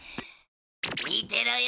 見てろよ